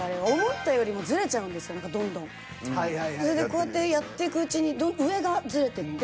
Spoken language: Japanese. それでこうやってやっていくうちに上がズレてって。